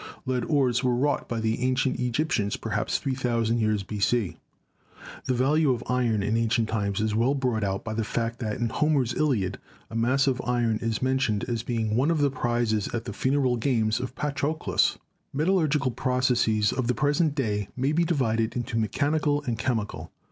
Lead ores were wrought by the ancient Egyptians perhaps 3,000 years B.C. The value of iron in ancient times is well brought out by the fact that in Homer's Iliad a mass of iron is men tioned as being one of the prizes at the funeral games of Patroclus. Metallurgical processes of the present day may be di vided into mechanical and chemical.